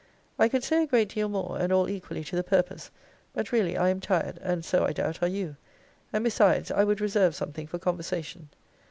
I could say a great deal more, and all equally to the purpose. But really I am tired; and so I doubt are you. And besides, I would reserve something for conversation.